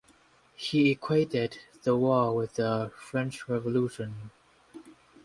He equated the war with the French Revolution.